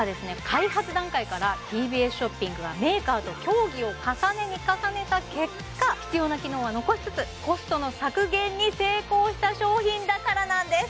開発段階からＴＢＳショッピングはメーカーと協議を重ねに重ねた結果必要な機能は残しつつコストの削減に成功した商品だからなんです